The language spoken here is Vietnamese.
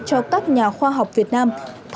cho các nhà khoa học việt nam